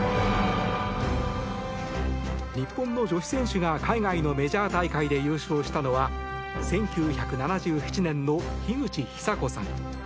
日本の女子選手が海外のメジャー大会で優勝したのは１９７７年の樋口久子さん